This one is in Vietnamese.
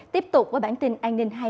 tiếp tục với bản tin an ninh hai mươi bốn h